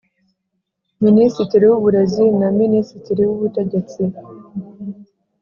Minisitiri w Uburezi na Minisitiri w Ubutegetsi